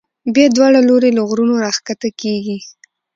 بیا دواړه لوري له غرونو را کښته کېږي.